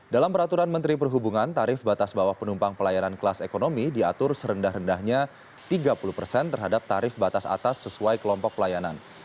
dalam peraturan menteri perhubungan tarif batas bawah penumpang pelayaran kelas ekonomi diatur serendah rendahnya tiga puluh persen terhadap tarif batas atas sesuai kelompok pelayanan